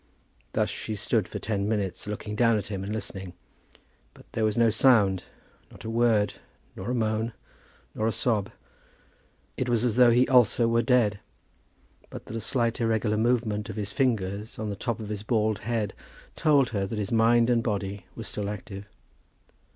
Thus she stood for ten minutes looking down at him and listening. But there was no sound; not a word, nor a moan, nor a sob. It was as though he also were dead, but that a slight irregular movement of his fingers on the top of his bald head, told her that his mind and body were still active.